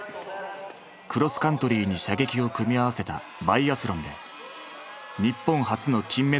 クロスカントリーに射撃を組み合わせたバイアスロンで日本初の金メダルを獲得した。